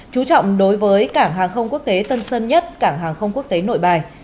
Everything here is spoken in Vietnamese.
chú trọng đối với cảng hàng không quốc tế tân sơn nhất cảng hàng không quốc tế nội bài